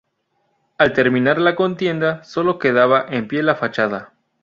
Al terminar la contienda solo quedaba en pie la fachada.